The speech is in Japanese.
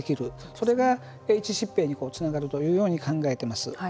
それがいち疾病につながるというように考えています。